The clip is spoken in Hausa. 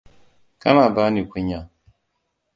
Kana bani kunya.